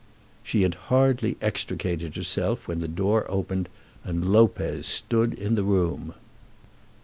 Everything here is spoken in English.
She had hardly extricated herself when the door opened, and Lopez stood in the room.